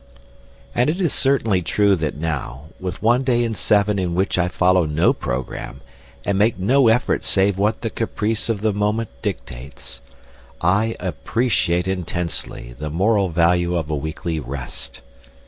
And it is certainly true that now, with one day in seven in which I follow no programme and make no effort save what the caprice of the moment dictates, I appreciate intensely the moral value of a weekly rest.